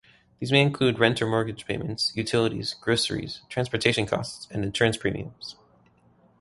These may include rent or mortgage payments, utilities, groceries, transportation costs, and insurance premiums.